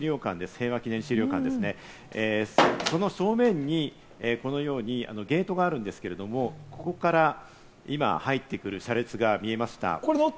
平和記念資料館ですね、その正面に、このようにゲートがあるんですけれども、ここから今、入ってくる車列が見えました。